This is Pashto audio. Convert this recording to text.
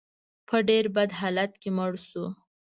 په ډېر بد حالت کې مړ شو.